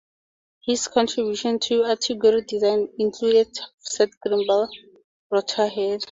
His contribution to autogyro design included the "offset gimbal rotor head".